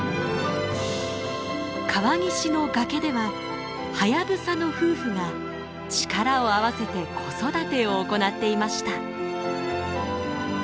川岸の崖ではハヤブサの夫婦が力を合わせて子育てを行っていました。